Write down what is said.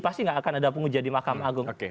pasti gak akan ada penguja di mahkamah agung